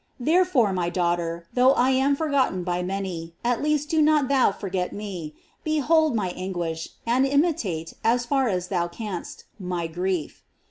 Therefore, my daughter, though I am forgotten by many, at least do not thou forget me; behold my anguish, and imitate, aa far as thou canst, my grief."